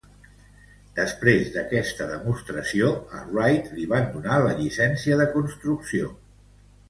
Després d'aquesta demostració a Wright li van donar la llicencia de construcció.